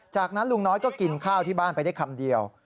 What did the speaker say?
จากนั้นลุงน้อยก็กินข้าวที่บ้านไปได้คำเดียว